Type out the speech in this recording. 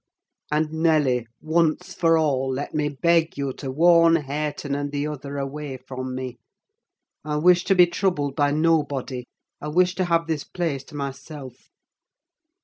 And, Nelly, once for all, let me beg you to warn Hareton and the other away from me. I wish to be troubled by nobody: I wish to have this place to myself."